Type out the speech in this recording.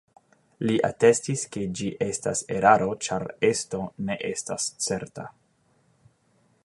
Li atestis ke ĝi estas eraro ĉar esto ne estas certa.